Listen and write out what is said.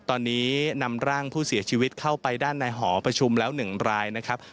ตอนนี้นำร่างผู้เสียชีวิตเข้าไปด้านในหอประชุมแล้ว๑รายนะครับ